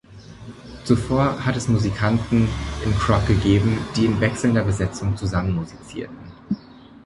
Zuvor hat es Musikanten in Crock gegeben, die in wechselnder Besetzung zusammen musizierten.